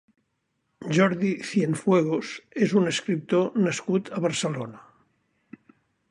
Jordi Cienfuegos és un escriptor nascut a Barcelona.